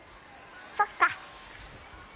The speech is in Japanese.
そっか。